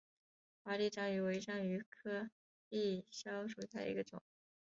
华丽章鱼为章鱼科丽蛸属下的一个种。